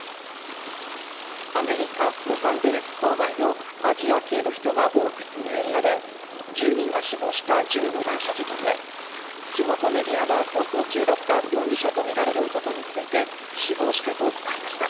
アメリカ・ロサンゼルス郊外のアジア系の人が多く住むエリアで、１０人が死亡した銃の乱射事件で、地元メディアは逃走中だった容疑者とみられる男について死亡したと伝えました。